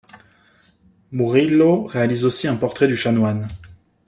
Murillo réalise aussi un portrait du chanoine.